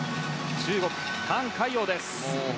中国、タン・カイヨウです。